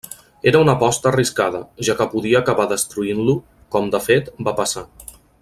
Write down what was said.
Era una aposta arriscada, ja que podia acabar destruint-lo com, de fet, va passar.